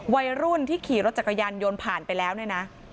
วัยรุ่นที่ขี่รถจักรยานยนต์ผ่านไปแล้วเนี่ยนะ